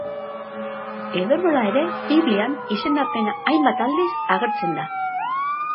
Edonola ere, Biblian izendapena hainbat aldiz agertzen da.